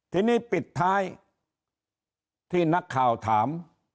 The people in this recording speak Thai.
ทีนี้ปิดท้ายที่นักข่าวถาม